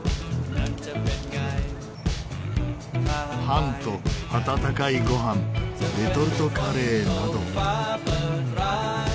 パンと温かいご飯レトルトカレーなど。